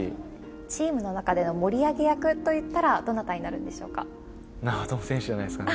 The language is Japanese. チームの中での盛り上げ役といったら、どなたになるんでしょ長友選手じゃないですかね。